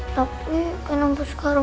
tapi kenapa sekarang